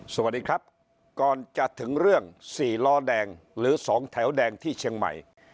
สวัสดีครับก่อนจะถึงเรื่อง๔ล้อแดงหรือ๒แถวแดงที่เชียงใหม่